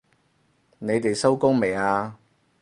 你哋收工未啊？